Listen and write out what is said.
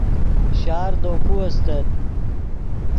شار دے کو استت